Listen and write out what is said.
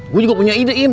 gue juga punya ide im